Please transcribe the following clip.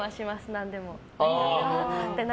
何でも。